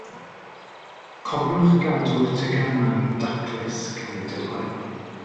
Cofiwch gadw'ch teganau yn daclus cyn mynd i'r gwely.